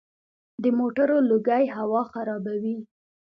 د موټرو لوګی هوا خرابوي.